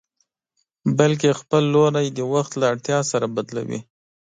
بلکې خپل لوری د وخت له اړتيا سره بدلوي.